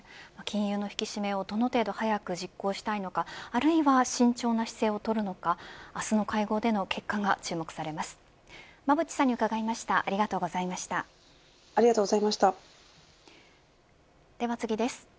金融の引き締めをどの程度早く実行したいのかあるいは慎重な姿勢をとるのか明日の会合での結果が注目されます。